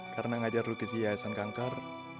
karena ngajar lo ke iisn kanker